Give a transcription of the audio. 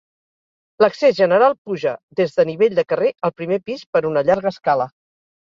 L'accés general puja des de nivell de carrer al primer pis per una llarga escala.